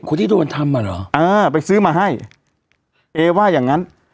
คนที่โดนทำอ่ะเหรออ่าไปซื้อมาให้เอว่าอย่างงั้น